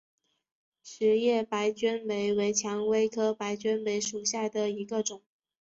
齿叶白鹃梅为蔷薇科白鹃梅属下的一个种。